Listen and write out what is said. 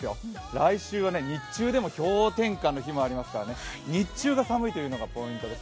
来週は日中でも氷点下の日がありますからね、日中が寒いというのがポイントです。